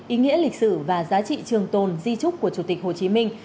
ý nghĩa lịch sử và giá trị trường tồn di trúc của chủ tịch hồ chí minh